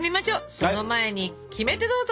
その前にキメテどうぞ！